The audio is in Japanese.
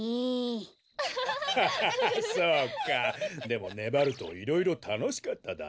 でもねばるといろいろたのしかっただろう？